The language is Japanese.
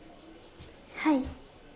はい。